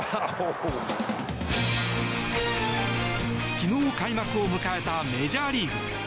昨日開幕を迎えたメジャーリーグ。